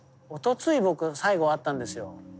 おとつい僕最後会ったんですよ。